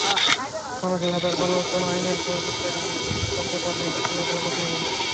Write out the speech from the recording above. মানসিকতার পরিবর্তন, আইনের প্রয়োগ ইত্যাদি বিষয় ঠিক করতে পারলেই কিছু অগ্রগতি হবে।